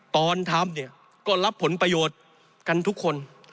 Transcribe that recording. ตอนทำเนี่ยก็รับผลประโยชน์กันทุกคน